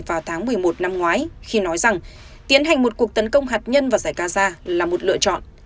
vào tháng một mươi một năm ngoái khi nói rằng tiến hành một cuộc tấn công hạt nhân vào giải gaza là một lựa chọn